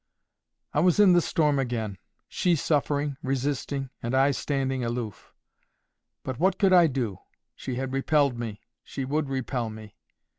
I was in the storm again. She suffering, resisting, and I standing aloof! But what could I do? She had repelled me—she would repel me.